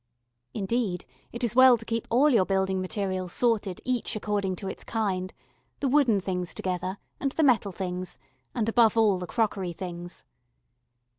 Indeed, it is well to keep all your building materials sorted each according to its kind, the wooden things together and the metal things and, above all, the crockery things.